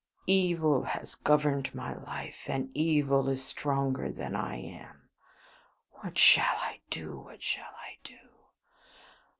Evil has governed my life, and evil is stronger than I am. What shall I do? what shall I do?